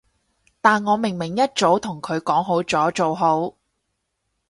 但我明明一早同佢講好咗，做好